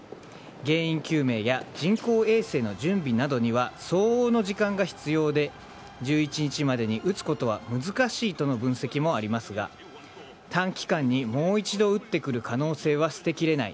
原因究明や人工衛星の準備などには相応の時間が必要で１１日までに打つことは難しいとの分析もありますが短期間にもう一度打ってくる可能性は捨てきれない。